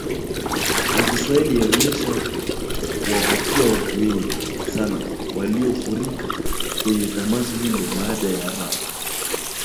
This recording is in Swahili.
ya Kiswahili yalionesha kuwavutia watu wengi sana waliofurika kwenye tamasha hilo Baada ya Rapu